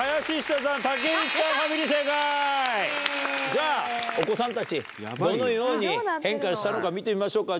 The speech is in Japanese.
じゃあお子さんたちどのように変化したのか見てみましょうか。